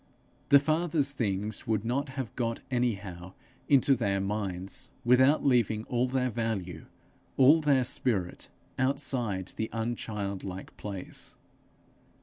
The Father's things could not have got anyhow into their minds without leaving all their value, all their spirit, outside the unchildlike place.